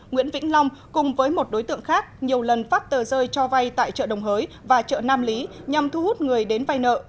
nguyễn vĩnh long cùng với một đối tượng khác nhiều lần phát tờ rơi cho vay tại chợ đồng hới và chợ nam lý nhằm thu hút người đến vay nợ